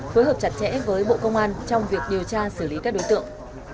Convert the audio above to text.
phối hợp chặt chẽ với bộ công an trong việc điều tra xử lý các đối tượng